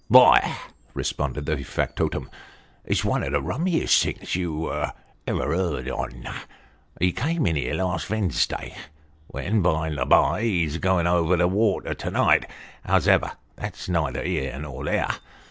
" Vj>" responded the factotum, " it's one of the rummiest rigs you ever heard on. He come in here last Vensday, which by the bye he's a going over the water to night hows'ever that's neither here nor there.